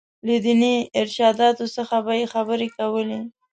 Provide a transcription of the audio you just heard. له ديني ارشاداتو څخه به یې خبرې کولې.